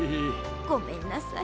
ごめんなさい。